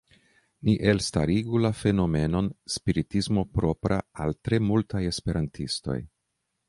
Ni elstarigu la fenomenon “spiritismo propra al tre multaj esperantistoj.